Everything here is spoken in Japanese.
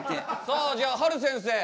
さあじゃあはる先生。